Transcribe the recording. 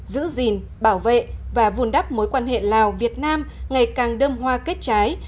giữ gìn bảo vệ và vùn đắp mối quan hệ lào việt nam ngày càng đơm hoa kết trái